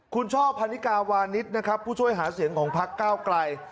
คุณช่อพันนิกาวานิสนะครับผู้ช่วยหาเสียงของพักเก้าไกล